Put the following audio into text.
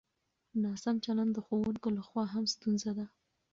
ناسم چلند د ښوونکو له خوا هم ستونزه ده.